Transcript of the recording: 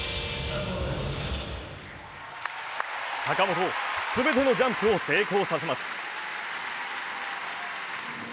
坂本、全てのジャンプを成功させます。